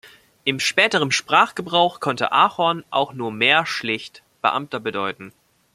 In späterem Sprachgebrauch konnte "Archon" auch nur mehr schlicht „Beamter“ bedeuten.